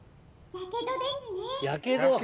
やけどですね。